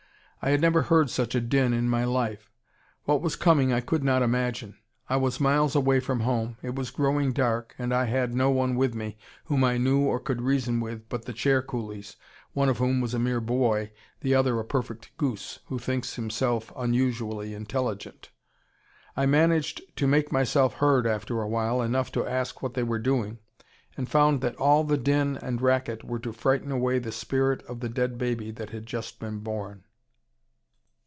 I had never heard such a din in my life. What was coming I could not imagine. I was miles away from home; it was growing dark; I had no one with me, whom I knew or could reason with, but the chair coolies, one of whom was a mere boy, the other a perfect goose, who thinks himself unusually intelligent. I managed to make myself heard after a while, enough to ask what they were doing, and found that all the din and racket were to frighten away the spirit of the dead baby that had just been born.